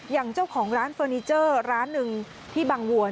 อย่างเจ้าของร้านเฟอร์นิเจอร์ร้านหนึ่งที่บางวัว